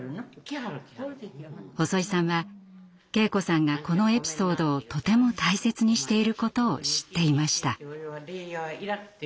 細井さんは敬子さんがこのエピソードをとても大切にしていることを知っていました。